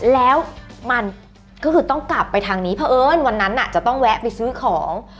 แล้วมันก็คือต้องกลับไปทางนี้เพราะเอิญวันนั้นจะต้องแวะไปซื้อของ